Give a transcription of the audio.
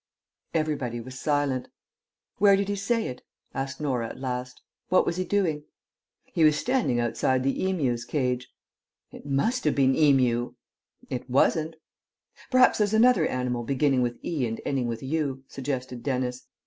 Everybody was silent. "Where did he say it?" asked Norah at last. "What was he doing?" "He was standing outside the Emu's cage." "It must have been Emu." "It wasn't." "Perhaps there's another animal beginning with 'e' and ending with 'u,'" suggested Dennis.